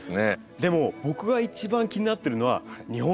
でも僕が一番気になってるのは日本大賞です。